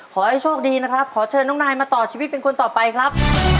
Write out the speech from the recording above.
ขอให้โชคดีนะครับขอเชิญน้องนายมาต่อชีวิตเป็นคนต่อไปครับ